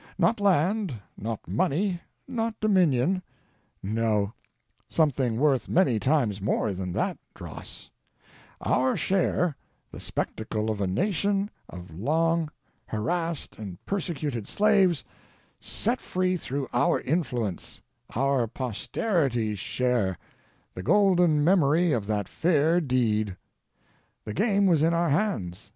Not land, not money, not dominion — no, something worth many times more than that dross: our share, the spectacle of a nation of long harassed and persecuted slaves set free through our influence ; our posterity's share, the golden memory of that fair deed. The game was in our hands.